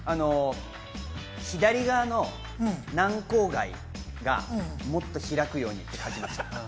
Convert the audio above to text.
左側の軟口蓋がもっと開くようにって書きました。